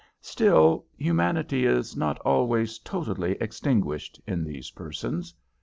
Still, humanity is not always totally extinguished in these persons.